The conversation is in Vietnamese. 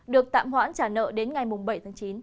được tạm hoãn trả nợ đến ngày bảy chín